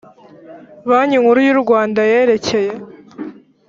banki nkuru y u rwanda yerekeye